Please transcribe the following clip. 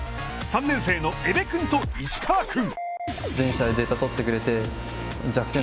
３年生の江部君と石川君。